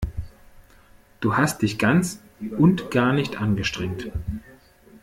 Du hast dich ganz und gar nicht angestrengt.